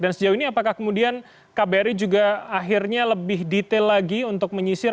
dan sejauh ini apakah kemudian kbri juga akhirnya lebih detail lagi untuk menyisir